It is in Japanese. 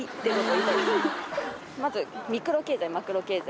まず。